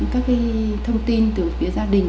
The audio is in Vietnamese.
các cái thông tin từ phía gia đình